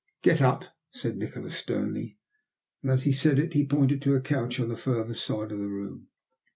"Get up," said Nikola sternly, and as he said it he pointed to a couch on the further side of the room.